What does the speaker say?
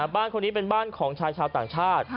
บ้านคนนี้เป็นบ้านของชายชาวต่างชาติ